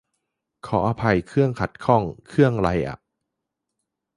ขออภัย 'เครื่อง' ขัดข้อง เครื่องไรอ่ะ ?